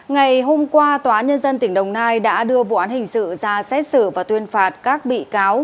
ngày hôm qua tòa nhân dân tỉnh đồng nai đã đưa vụ án hình sự ra xét xử và tuyên phạt các bị cáo